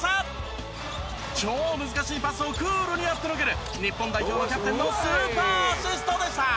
超難しいパスをクールにやってのける日本代表のキャプテンのスーパーアシストでした。